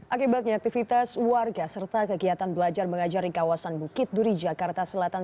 akibatnya aktivitas warga serta kegiatan belajar mengajari kawasan bukit duri jakarta selatan